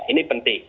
nah ini penting